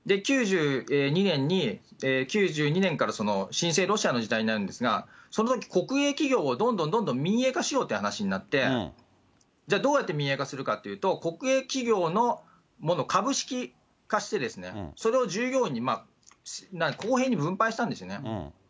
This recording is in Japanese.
９２年に、９２年から新生ロシアの時代になるんですが、そのとき国営企業をどんどんどんどん民営化しようという話になって、じゃあどうやって民営化するかっていうと、国営企業のものを株式化して、それを従業員に公平に分配したんですよね。